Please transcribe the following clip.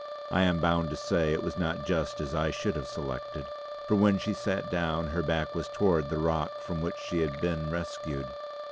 I am bound to say it was not just as I should have selected; for when she sat down, her back was towards the rock from which she had been rescued.